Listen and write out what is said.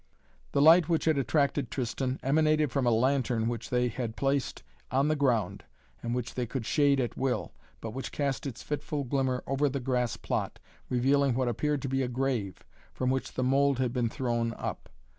The light which had attracted Tristan, emanated from a lantern which they had placed on the ground and which they could shade at will, but which cast its fitful glimmer over the grass plot, revealing what appeared to be a grave, from which the mould had been thrown up.